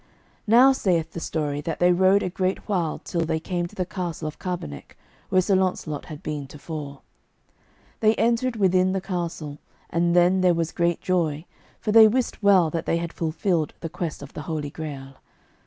Now saith the story that they rode a great while till they came to the castle of Carboneck, where Sir Launcelot had been tofore. They entered within the castle, and then there was great joy, for they wist well that they had fulfilled the quest of the Holy Grail.